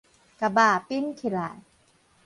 共肉冰起來